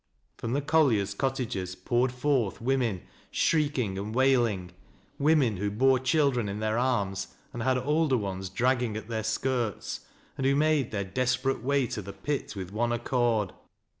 From the colliers' cottages poured forth women, shrieking and wailing, — women who bore children in their arms and had older ones dragging at their skirts, and who made their desperate way to the pit with one accord.